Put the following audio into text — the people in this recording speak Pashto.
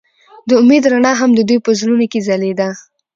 د امید رڼا هم د دوی په زړونو کې ځلېده.